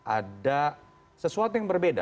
ada sesuatu yang berbeda